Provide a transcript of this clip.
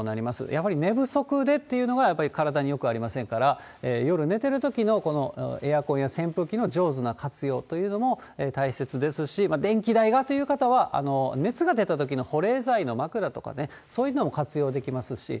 やはり寝不足でっていうのは、やっぱり体によくありませんから、夜寝てるときのエアコンや扇風機の上手な活用というのも大切ですし、電気代がという方は、熱が出たときの保冷材の枕とかね、そういうのも活用できますし。